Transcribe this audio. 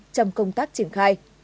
trong công tác triển khai